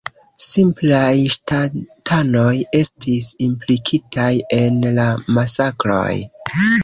Simplaj ŝtatanoj estis implikitaj en la masakroj.